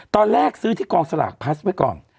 ตอนแรกซื้อที่กองสลากพลัสไว้ก่อน